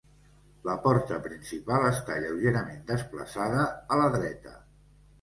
La porta principal està lleugerament desplaçada a la dreta.